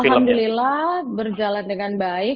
alhamdulillah berjalan dengan baik